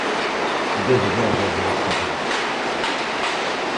Desborde e velocidade.